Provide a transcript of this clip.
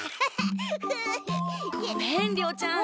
ごめん亮ちゃん。